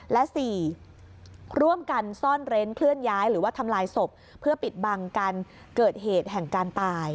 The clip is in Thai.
และ๔ร่วมกันซ่อนเร้นเคลื่อนย้ายหรือว่าทำลายศพเพื่อปิดบังการเกิดเหตุแห่งการตาย